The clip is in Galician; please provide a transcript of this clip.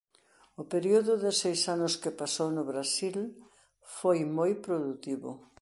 O período de seis anos que pasou no Brasil foi moi produtivo.